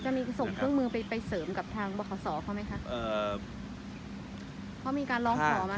จะมีทั้งสองผู้มือไปเสริมกับทางเกราะศเขาไหมคะ